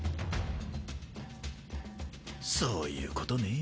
そういうことね。